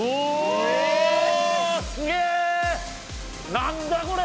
何だこれ？